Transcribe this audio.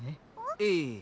ええ。